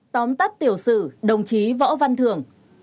tóm tắt tiểu sử đồng chí võ văn thưởng